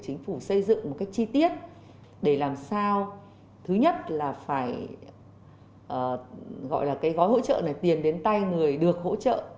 chính phủ xây dựng một cách chi tiết để làm sao thứ nhất là phải gọi là cái gói hỗ trợ này tiền đến tay người được hỗ trợ